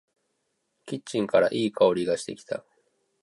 キッチンからいい香りがしてきた。